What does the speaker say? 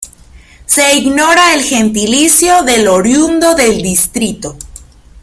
Se ignora el gentilicio del oriundo del distrito.